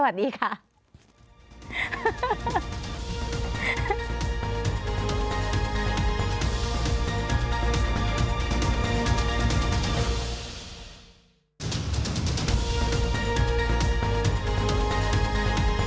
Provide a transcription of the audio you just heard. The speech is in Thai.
โปรดติดตามตอนต่อไป